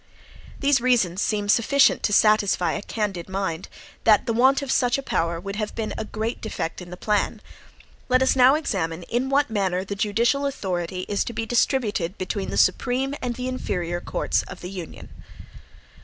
These reasons seem sufficient to satisfy a candid mind, that the want of such a power would have been a great defect in the plan. Let us now examine in what manner the judicial authority is to be distributed between the supreme and the inferior courts of the Union.